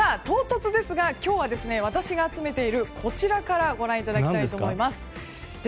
唐突ですが今日は私が集めているこちらからご覧いただきたいと思います。